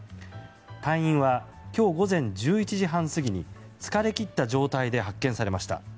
隊員は今日午前１１時半過ぎに疲れ切った状態で発見されました。